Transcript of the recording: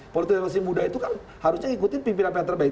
politisi politisi muda itu kan harusnya ikutin pimpinan pimpinan terbaik